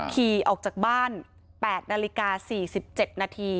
ขี่ออกจากบ้าน๘นาฬิกา๔๗นาที